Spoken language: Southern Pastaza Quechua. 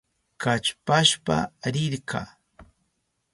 Kallpashpa rirka.